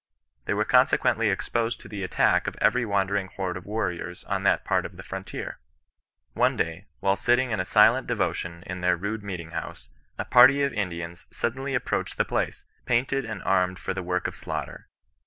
They were consequently exposed to the attack of every wandering horde of warriors on that part of the frontier. One day, while sitting in silent devotion in their rude meeting house, a party of Indians suddenly approached the place, painted and armed for the work of slaughter.